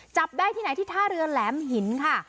จับได้ที่ไหนที่ท่าเรือแหลมหินค่ะ